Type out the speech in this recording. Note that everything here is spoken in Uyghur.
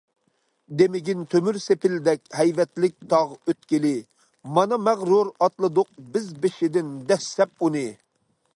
دېمىگىن تۆمۈر سېپىلدەك ھەيۋەتلىك تاغ ئۆتكىلى، مانا مەغرۇر ئاتلىدۇق بىز بېشىدىن دەسسەپ ئۇنى.